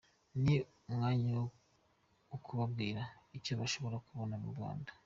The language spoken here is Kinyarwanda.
Ni umwanya wo kubabwira icyo bashobora kubona mu Rwanda.